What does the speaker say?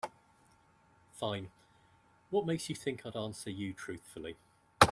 Fine, what makes you think I'd answer you truthfully?